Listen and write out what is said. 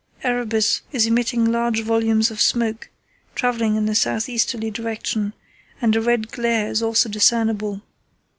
Erebus is emitting large volumes of smoke, travelling in a south easterly direction, and a red glare is also discernible.